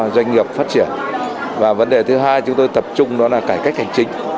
doanh nghiệp phát triển và vấn đề thứ hai chúng tôi tập trung đó là cải cách hành chính